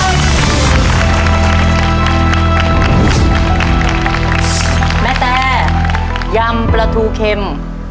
เมนูนี้เป็นเมนูโปรดของครอบครัวหรือเปล่าครับ